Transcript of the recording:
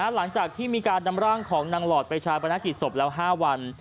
หลังจากที่มีการนำร่างของนางหลอดไปชาปนกิจศพแล้ว๕วัน